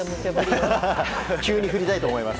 急に振りたいと思います。